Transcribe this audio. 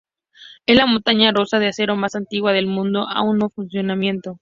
Es la montaña rusa de acero más antigua del mundo aún en funcionamiento.